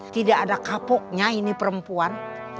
tidak ada kapuknya ini perempuan